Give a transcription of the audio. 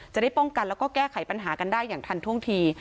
จะได้ป้องกันแล้วก็แก้ไขปัญหากันได้อย่างทันท่วงที